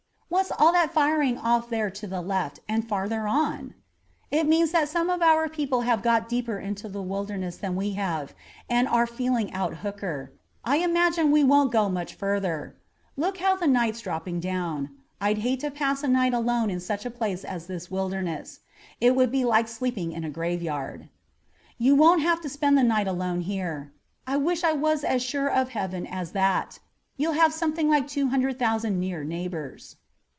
What's all that firing off there to the left and farther on?" "It means that some of our people have got deeper into the Wilderness than we have, and are feeling out Hooker. I imagine we won't go much farther. Look how the night's dropping down. I'd hate to pass a night alone in such a place as this Wilderness. It would be like sleeping in a graveyard." "You won't have to spend the night alone here. I wish I was as sure of Heaven as that. You'll have something like two hundred thousand near neighbors."